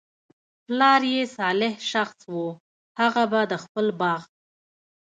پلار ئي صالح شخص وو، هغه به د خپل باغ